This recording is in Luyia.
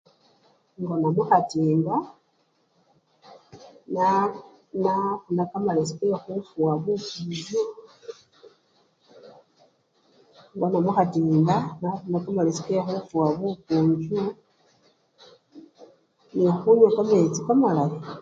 Ngona mukhatimba na! na! nafuna kamalesi kekhufuwa bunamungenge, ngona mukhatimba na! na! nafuna kamalesi kekhufuwa bunamungenge nekhunywa kamechi kamalayi.